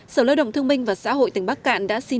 sở lợi động thương minh và xã hội tỉnh bắc cạn đã xin